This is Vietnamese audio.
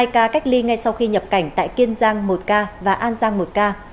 hai ca cách ly ngay sau khi nhập cảnh tại kiên giang một ca và an giang một ca